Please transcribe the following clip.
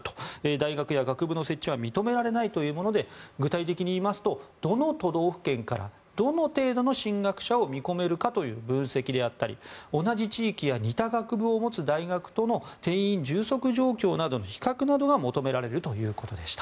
大学や学部の設置は認められないということで具体的に言いますとどの都道府県からどの程度の進学者を見込めるかという分析であったり同じ地域や似た学部を持つ大学との定員充足状況などの比較などが求められるということでした。